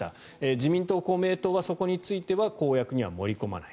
自民党、公明党はそこについては公約には盛り込まない。